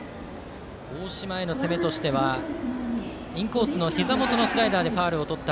大島への攻めとしてはインコースのひざ元へのスライダーでファウルをとった